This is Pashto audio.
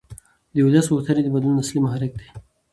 د ولس غوښتنې د بدلون اصلي محرک دي